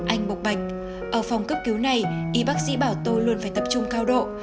anh bộc bạch ở phòng cướp cứu này y bác sĩ bảo tôi luôn phải tập trung cao độ